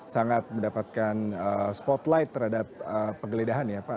sangat mendapatkan spotlight terhadap penggeledahan ya pak